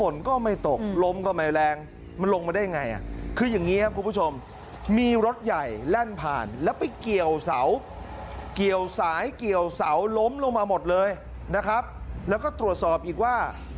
ลมลงมาหมดเลยนะครับแล้วก็ตรวจสอบอีกว่า